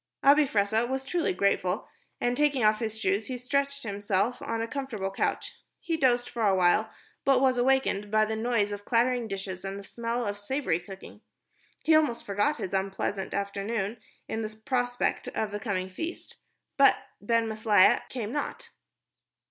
Abi Fressah was truly grateful, and taking off his shoes he stretched himself on a comfortable couch. He dozed for a while, but was awakened by the noise of clattering dishes and the smell of savory cooking. He almost forgot his unpleasant afternoon in the prospect of the coming feast, but Ben Maslia came not.